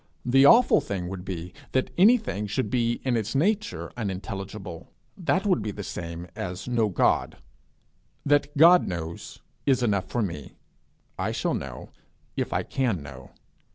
The awful thing would be, that anything should be in its nature unintelligible: that would be the same as no God. That God knows is enough for me; I shall know, if I can know.